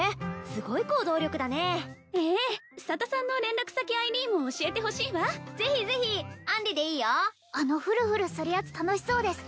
すごい行動力だねええ佐田さんの連絡先ＩＤも教えてほしいわぜひぜひ杏里でいいよあのふるふるするやつ楽しそうです